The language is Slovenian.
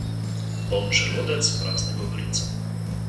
Poln želodec, prazne govorice.